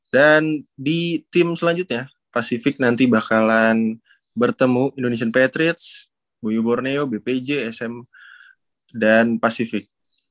dan di tim selanjutnya pacific nanti bakalan bertemu indonesian patriots boyo borneo bpj sm dan pacific